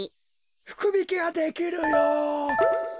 ふくびきができるよ。